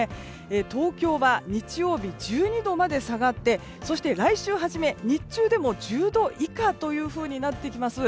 東京は、日曜日１２度まで下がってそして来週初め、日中でも１０度以下となってきます。